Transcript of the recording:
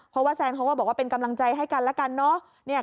เพราะว่าแซนเขาก็บอกว่าเป็นกำลังใจให้กันแล้วกันเนาะ